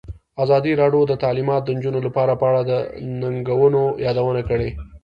ازادي راډیو د تعلیمات د نجونو لپاره په اړه د ننګونو یادونه کړې.